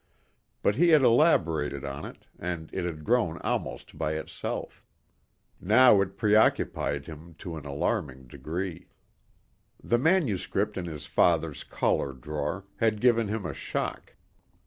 But he had elaborated on it and it had grown almost by itself. Now it preoccupied him to an alarming degree. The manuscript in his father's collar drawer had given him a shock.